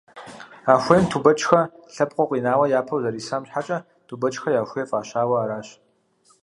А хуейм Тубэчхэ лъэпкъыу къинауэ япэу зэрисам щхьэкӏэ, «Тубэчхэ я хуей» фӏащауэ аращ.